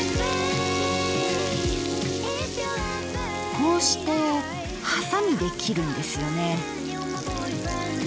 こうしてハサミで切るんですよね。